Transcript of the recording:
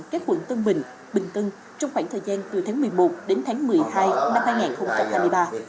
các quận tân bình bình tân trong khoảng thời gian từ tháng một mươi một đến tháng một mươi hai năm hai nghìn hai mươi ba